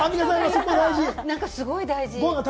すごい大事。